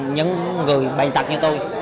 những người bệnh tật như tôi